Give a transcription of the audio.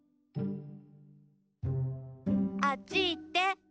あっちいって！